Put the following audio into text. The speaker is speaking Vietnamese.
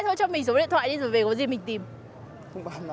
cho chị xin selfie với bạn nam một hai kiểu nữa nhé